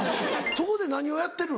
そこで何をやってるの？